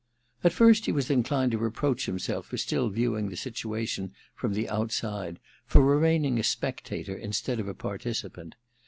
At first he was inclined to reproach himself for still viewing the situation from the outside, for remaining a spectator instead of a parti cipant.